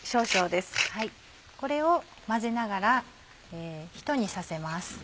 これを混ぜながらひと煮させます。